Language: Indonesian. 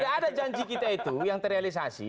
tidak ada janji kita itu yang terrealisasi